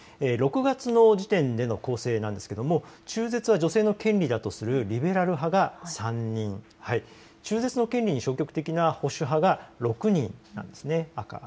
６月の時点での構成なんですが中絶は女性の権利だとするリベラル派が３人、中絶の権利に消極的な保守派が６人なんです。